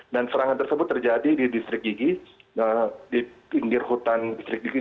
dan serangan tersebut terjadi di distrik yigi di pinggir hutan distrik yigi